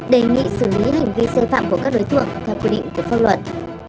đề nghị xử lý hình vi xây phạm của các đối tượng theo quy định của phong luận